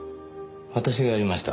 私がやりました。